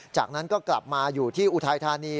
จากนั้นก็กลับมาอยู่ที่อุทัยธานี